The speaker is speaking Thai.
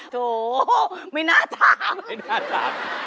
โถมีหน้าทาง